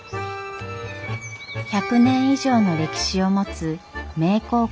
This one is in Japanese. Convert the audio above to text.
１００年以上の歴史を持つ名教館。